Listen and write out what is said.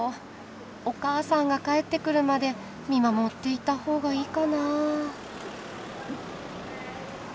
お母さんが帰ってくるまで見守っていた方がいいかなあ。